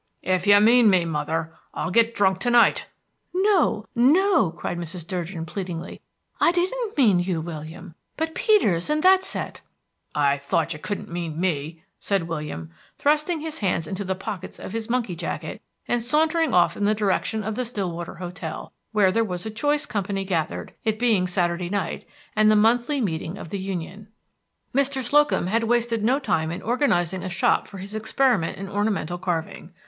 "If you mean me, mother, I'll get drunk tonight." "No, no!" cried Mrs. Durgin, pleadingly, "I didn't mean you, William, but Peters and that set." "I thought you couldn't mean me," said William, thrusting his hands into the pockets of his monkey jacket, and sauntering off in the direction of the Stillwater hotel, where there was a choice company gathered, it being Saturday night, and the monthly meeting of the Union. Mr. Slocum had wasted no time in organizing a shop for his experiment in ornamental carving.